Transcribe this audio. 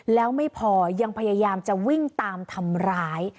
แล้วไม่พอยังพยายามจะวิ่งตามทำร้าย